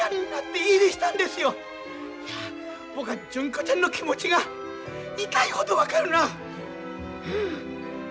僕は純子ちゃんの気持ちが痛いほど分かるな。